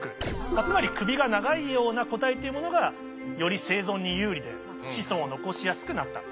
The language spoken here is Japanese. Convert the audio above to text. つまり首が長いような個体っていうものがより生存に有利で子孫を残しやすくなった。